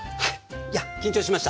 いや緊張しました。